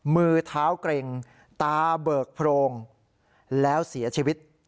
มือเท้าเกร็งตาเบิกโพรงแล้วเสียชีวิต